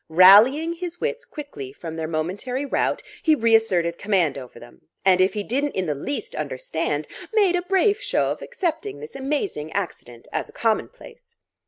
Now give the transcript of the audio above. Rallying his wits quickly from their momentary rout, he reasserted command over them, and if he didn't in the least understand, made a brave show of accepting this amazing accident as a commonplace.